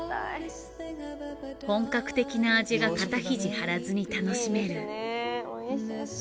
本格的な味が肩肘張らずに楽しめる。